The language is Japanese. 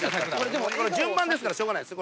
順番ですからしょうがないです。